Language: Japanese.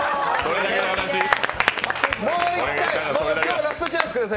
もう一回、ラストチャンスください。